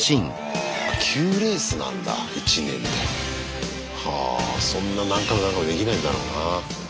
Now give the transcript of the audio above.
あっ９レースなんだ１年で。はそんな何回も何回もできないんだろうな。